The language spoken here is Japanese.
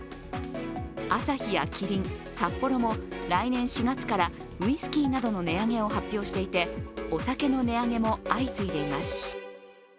アサヒやキリン、サッポロも来年４月からウイスキーなどの値上げを発表していてお酒の値上げも相次いでいます。